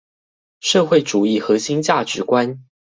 社會主義核心價值觀